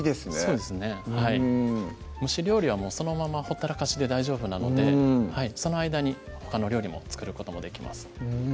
そうですねうん蒸し料理はそのままほったらかしで大丈夫なのでその間にほかの料理も作ることもできます